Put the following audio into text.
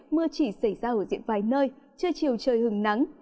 mưa chỉ xảy ra ở diện vài nơi chưa chiều trời hừng nắng